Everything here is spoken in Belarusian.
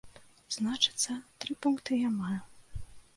Значыцца, тры пункты я маю.